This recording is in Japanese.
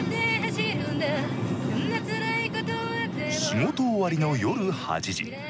仕事終わりの夜８時。